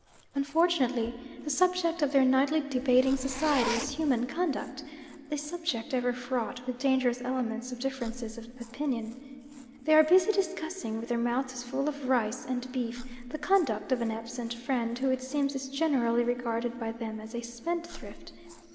Unfortunately the subject of their nightly debating society is human conduct, a subject ever fraught with dangerous elements of differences of opinion. They are busy discussing, with their mouths full of rice and beef, the conduct of an absent friend, who it seems is generally regarded by them as a spendthrift.